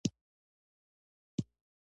لوگر د افغانانو د ګټورتیا برخه ده.